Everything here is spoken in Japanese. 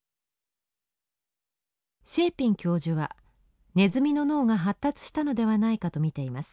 シェーピン教授はネズミの脳が発達したのではないかと見ています。